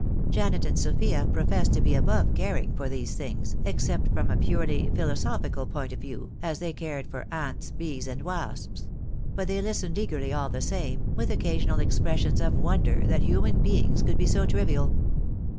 Janet and Sophia professed to be above caring for these things, except from a purely philosophical point of view, as they cared for ants, bees, and wasps; but they listened eagerly all the same, with occasional expressions of wonder that human beings could be so trivial.